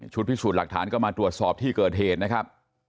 พิสูจน์หลักฐานก็มาตรวจสอบที่เกิดเหตุนะครับ